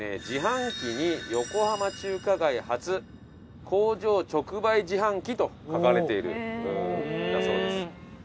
自販機に「横浜中華街初工場直売自販機」と書かれているんだそうです。